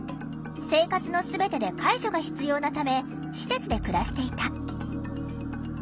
生活の全てで介助が必要なため施設で暮らしていた。